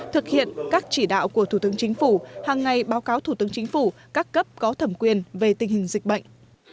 thực hiện các chỉ đạo của thủ tướng chính phủ hàng ngày báo cáo thủ tướng chính phủ các cấp có thẩm quyền về tình hình dịch bệnh